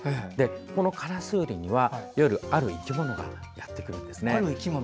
このカラスウリには夜、ある生き物がやってくるんです。